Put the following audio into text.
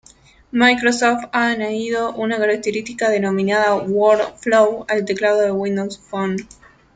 Microsoft ha añadido una característica denominada Word Flow al teclado de Windows Phone.